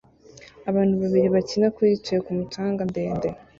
Abantu babiri bakina kuri yicaye kumu canga ndende